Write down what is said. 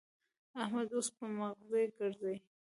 احمد اوس په مغزي ګرزي.